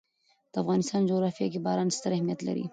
د افغانستان جغرافیه کې باران ستر اهمیت لري.